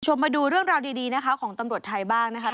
มาดูเรื่องราวดีนะคะของตำรวจไทยบ้างนะคะ